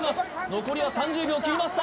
残りは３０秒を切りました・